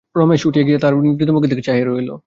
রমেশ উঠিয়া বসিয়া তাহার নিদ্রিত মুখের দিকে চাহিয়া রহিল।